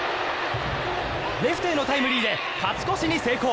レフトへのタイムリーで勝ち越しに成功。